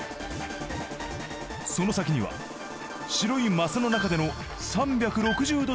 その先には白いマスの中での３６０度